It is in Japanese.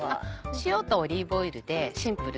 塩とオリーブオイルでシンプルに。